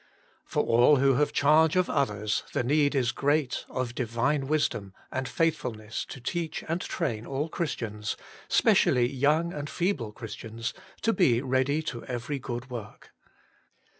For all who have charge of others the need is great of Divine wis dom and faithfulness to teach and train all Christians, specially young and feeble Christians, to be ready to every good work.